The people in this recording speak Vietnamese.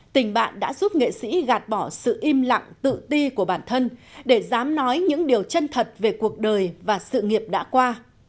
tình bạn đã giúp nghệ sĩ gạt bỏ sự im lặng tự ti của bản thân để dám nói những điều chân thật về cuộc đời và sự nghiệp đã qua